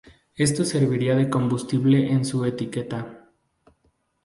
Esto serviría de combustible en su etiqueta.